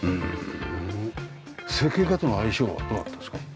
設計家との相性はどうだったですか？